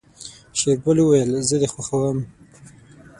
شېرګل وويل زه دې خوښوم.